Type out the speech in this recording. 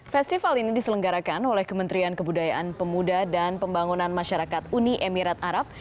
festival ini diselenggarakan oleh kementerian kebudayaan pemuda dan pembangunan masyarakat uni emirat arab